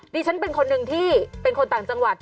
ดิฉันเป็นคนหนึ่งที่เป็นคนต่างจังหวัด